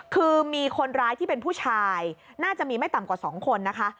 คือมีคนร้ายที่เป็นผู้ชายน่าจะมีไม่ต่ำกว่า๒คนนะคะ